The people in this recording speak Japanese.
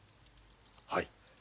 はい。